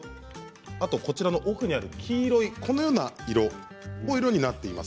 あと奥にある黄色いこのような色になっています。